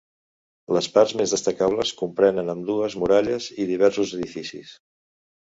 Les parts més destacables comprenen ambdues muralles i diversos edificis.